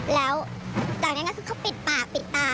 แล้วตอนนั้นก็คือเขาปิดปากปิดตา